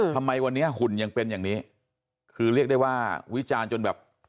ทำไมวันนี้หุ่นยังเป็นอย่างนี้คือเรียกได้ว่าวิจารณ์จนแบบ